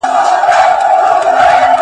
زه بايد سبزیحات تيار کړم؟!